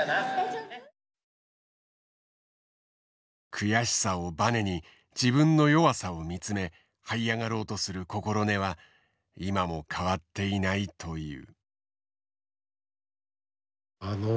悔しさをばねに自分の弱さを見つめはい上がろうとする心根は今も変わっていないという。